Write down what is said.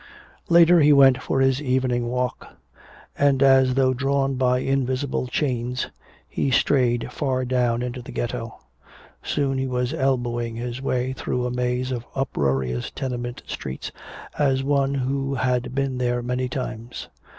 Later he went for his evening walk. And as though drawn by invisible chains he strayed far down into the ghetto. Soon he was elbowing his way through a maze of uproarious tenement streets as one who had been there many times.